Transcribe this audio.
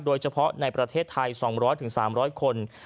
โดยเฉพาะในประเทศไทย๒๐๐๓๐๐คน